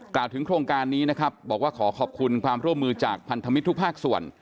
กล่าวถึงโครงการนี้นะครับบอกว่าขอขอบคุณความร่วมมือจากพันธมิตรทุกภาคส่วน